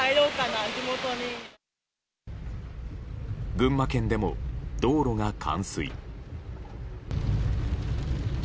群馬県でも道路が冠水。